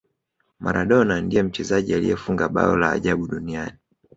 maradona ndiye mchezaji aliyefunga bao la ajabu duniani